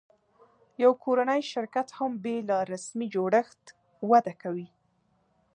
یو کورنی شرکت هم بېله رسمي جوړښت وده کوي.